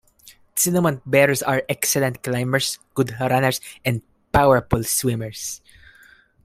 Cinnamon bears are excellent climbers, good runners, and powerful swimmers.